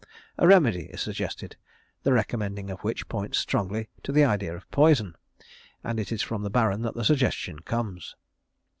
A remedy is suggested, the recommending of which points strongly to the idea of poison, and it is from the Baron that the suggestion comes.